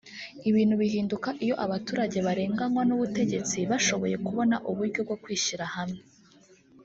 Ibintu bihinduka iyo abaturage barenganywa n’ubutegetsi bashoboye kubona uburyo bwo kwishyira hamwe